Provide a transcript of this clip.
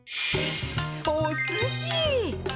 おすし。